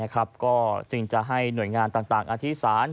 ก็จึงจะให้หน่วยงานต่างอธิษฐาน